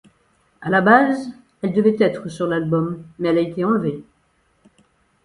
À la base, elle devait être sur l’album, mais elle a été enlevée.